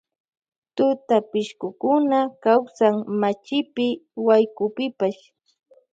Tutapishkukuna kawsan machipi waykupipash.